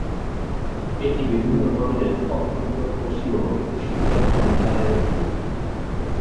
এটি বিভিন্ন ধরনের অ-ক্ষুদ্র কোষীয় ফুসফুসের ক্যান্সারের একটি।